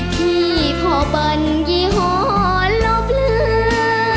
ที่พ่อบรรยีหลอบเลือน